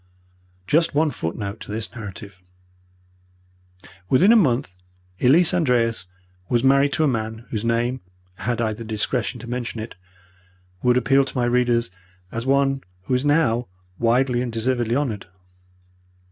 Just one footnote to this narrative. Within a month Elise Andreas was married to a man whose name, had I the indiscretion to mention it, would appeal to my readers as one who is now widely and deservedly honoured.